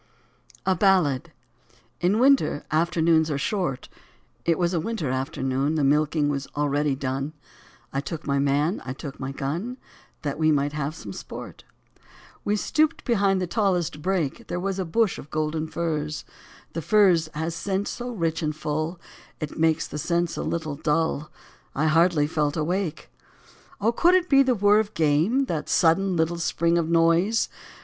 64 A BALLAD. IN winter, afternoons are short ; It was a winter afternoon. The milking was already done ; I took my man, I took my gun. That we might have some sport. We stooped behind the tallest brake ; There was a bush of golden furze ; The furze has scent so rich and full It makes the sense a little dull : I hardly felt awake. Oh, could it be the whirr of game, That sudden, little spring of noise